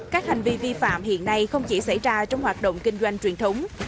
các hành vi vi phạm hiện nay không chỉ xảy ra trong hoạt động kinh doanh truyền thống